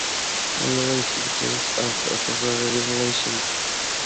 Released in the days of the February Revolution.